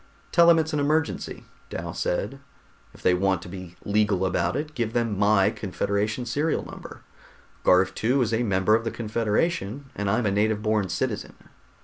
"Tell them it's an emergency," Dal said. "If they want to be legal about it, give them my Confederation serial number. Garv II is a member of the Confederation, and I'm a native born citizen."